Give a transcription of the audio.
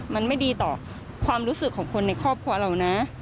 มันไม่ดีต่อความรู้สึกของคนในครอบครัวเรานะ